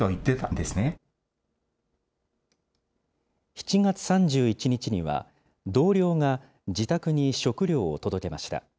７月３１日には、同僚が自宅に食料を届けました。